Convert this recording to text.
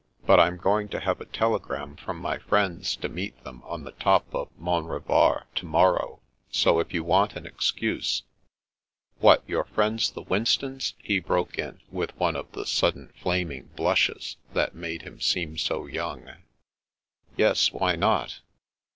" But I'm going to have a telegram from my friends to meet them on the top of Mont Revard to morrow, so if you want an excuse " "What, your friends the Winstons?" he broke in, with one of the sudden flaming blushes that made him seem so young. "Yes, why not?"